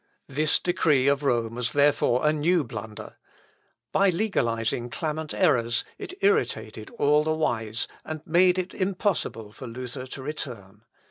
This decree of Rome was therefore a new blunder. By legalising clamant errors, it irritated all the wise, and made it impossible for Luther to return.